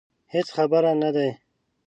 هېڅ خبر نه دي.